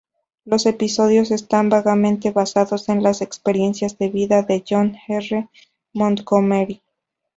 Los episodios están vagamente basados en las experiencias de vida de John R. Montgomery.